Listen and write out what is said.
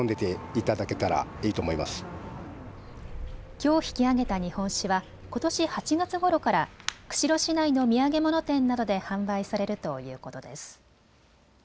きょう引き揚げた日本酒はことし８月ごろから釧路市内の土産物店などで販売されるということです。